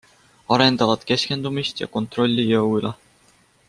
Arendavad keskendumist ja kontrolli jõu üle.